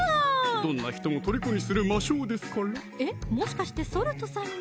どんな人もとりこにする魔性ですからえっもしかしてソルトさんも？